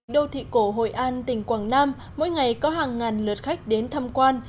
đô thị cổ hội an tỉnh quảng nam mỗi ngày có hàng ngàn lượt khách đến thăm quan